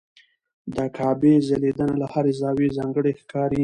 د کعبې ځلېدنه له هر زاویې ځانګړې ښکاري.